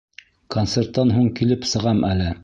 Концерттан һуң килеп сығам әле.